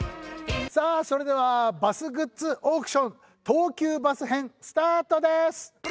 さあそれではバスグッズ・オークション東急バス編スタートです。